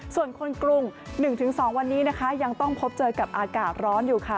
ส่วนคนกรุง๑๒วันนี้นะคะยังต้องพบเจอกับอากาศร้อนอยู่ค่ะ